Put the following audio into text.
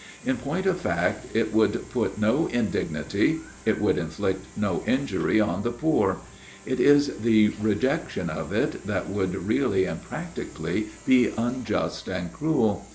In point of fact it would put no indignity, it would inflict no injury on the poor; it is the rejection of it that would really and practically be unjust and cruel.